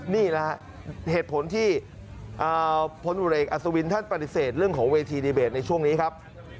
นี่แหละฮะเหตุผลที่พลตรวจเอกอัศวินท่านปฏิเสธเรื่องของเวทีดีเบตในช่วงนี้ครับ